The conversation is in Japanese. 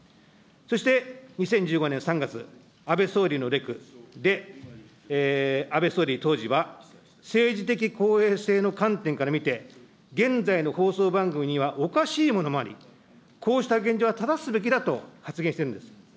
そして、２０１５年３月、安倍総理のレクで、安倍総理当時は、政治的公平性の観点から見て、現在の放送番組にはおかしいものもあり、こうした現状は正すべきだと発言してるんです。